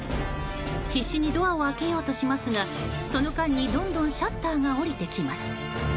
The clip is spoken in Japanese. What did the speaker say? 必死にドアを開けようとしますがその間に、どんどんシャッターが下りてきます。